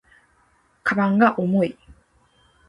鞄が重い